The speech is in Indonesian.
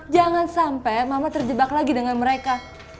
jangan sampai mama terjebak lagi dengan mereka